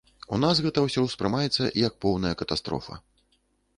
У нас гэта ўсё ўспрымаецца як поўная катастрофа.